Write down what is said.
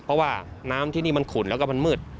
เพราะว่าน้ำที่นี่มันขุนแล้วก็มันมืด